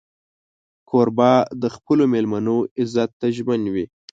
کوربه د خپلو مېلمنو عزت ته ژمن وي.